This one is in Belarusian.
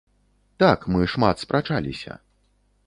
Так, мы шмат спрачаліся.